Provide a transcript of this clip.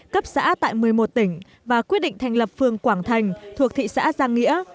cấp xã tại một mươi một tỉnh và quyết định thành lập phường quảng thành thuộc thị xã giang nghĩa